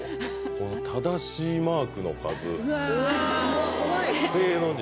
この正しいマークの数「正」の字